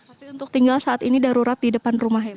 berarti untuk tinggal saat ini darurat di depan rumah ya bu